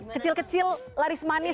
kecil kecil laris manis